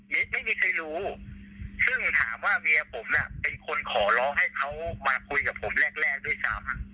ไม่มีใครรู้ซึ่งถามว่าเมียผมน่ะเป็นคนขอร้องให้เขามาคุยกับผมแรกแรกด้วยซ้ำ